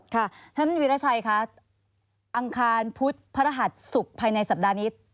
ค่ะท่านวิราชัยคะอังคารพุธพระรหัสศุกร์ภายในสัปดาห์นี้